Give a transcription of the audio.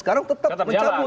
sekarang tetap mencabut